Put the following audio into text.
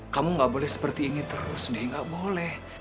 kamu gak boleh seperti ini terus dede gak boleh